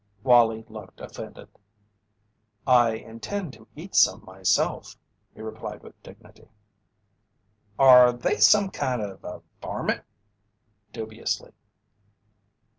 Wallie looked offended. "I intend to eat some myself," he replied with dignity. "Are they some kind of a varmint?" Dubiously.